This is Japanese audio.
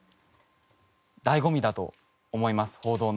醍醐味だと思います報道の。